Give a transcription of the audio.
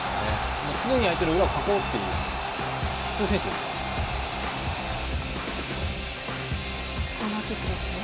常に相手の裏をかこうという選手ですから。